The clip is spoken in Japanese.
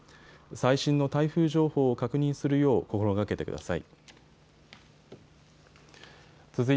最新の台風情報を確認するよう心がけてください。